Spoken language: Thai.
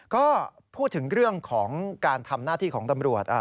ก็พูดถึงเรื่องของการทำหน้าที่ของตำรวจ